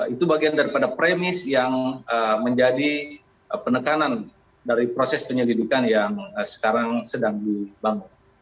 itu bagian daripada premis yang menjadi penekanan dari proses penyelidikan yang sekarang sedang dibangun